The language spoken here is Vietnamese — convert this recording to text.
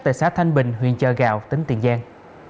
tại xã thanh bình huyện chợ gạo tỉnh tiền giang